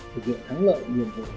thực hiện thắng lợi nguyên vụ